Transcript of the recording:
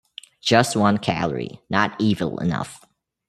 Just one calorie, not evil enough.